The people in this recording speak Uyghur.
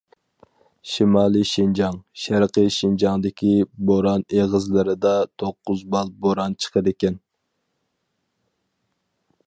شىمالىي شىنجاڭ، شەرقىي شىنجاڭدىكى بوران ئېغىزلىرىدا توققۇز بال بوران چىقىدىكەن.